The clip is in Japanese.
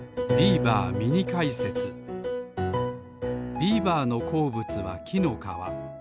ビーバーのこうぶつはきのかわ。